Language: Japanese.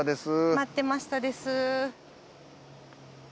待ってましたです。